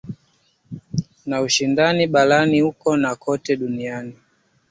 Na ushindani barani huko na kote duniani